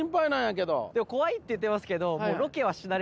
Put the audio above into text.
怖いって言ってますけどもう。